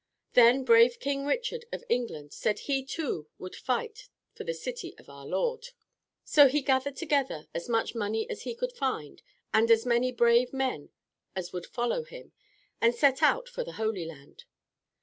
Then brave King Richard of England said he too would fight for the city of our Lord. So he gathered together as much money as he could find, and as many brave men as would follow him, and set out for the Holy Land.